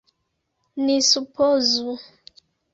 Ni supozu!